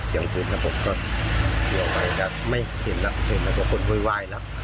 เสียงปืนครับผมก็ไม่เห็นแล้วเห็นแล้วว่าคนวายวายแล้ว